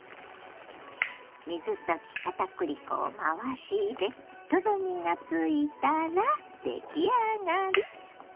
水溶き片栗粉を回し入れとろみがついたら出来上がり。